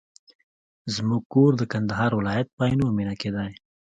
زموږ کور د کندهار ولایت په عينو مېنه کي دی.